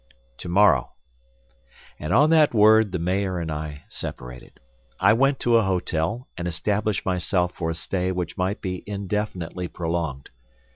"Tomorrow." And on that word the mayor and I separated. I went to a hotel, and established myself for a stay which might be indefinitely prolonged.